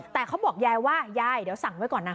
แต่เขาบอกยายว่ายายเดี๋ยวสั่งไว้ก่อนนะ